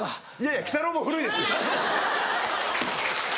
いや鬼太郎も古いです。